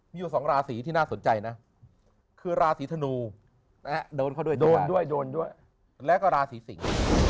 มีอยู่สองราศีที่น่าสนใจนะคือราศีธนูโดนเขาด้วยโดนด้วยโดนด้วยแล้วก็ราศีสิง